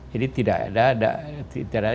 jadi tidak ada